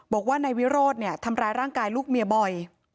บอกว่านายวิโรธเนี่ยทำร้ายร่างกายลูกเมียบ่อย